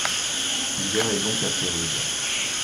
L'hiver est donc assez rude.